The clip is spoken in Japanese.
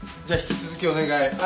じゃあ引き続きお願い。